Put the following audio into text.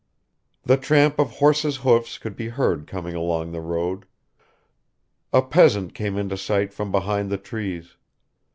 The tramp of horses' hoofs could be heard coming along the road ... A peasant came into sight from behind the trees.